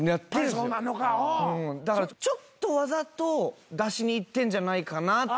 だからちょっとわざと出しにいってんじゃないかなって。